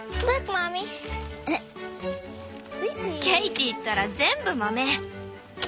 ケイティったら全部豆！